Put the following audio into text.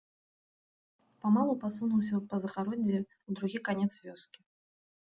Памалу пасунуўся па загароддзі ў другі канец вёскі.